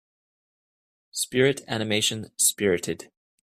Spirit animation Spirited.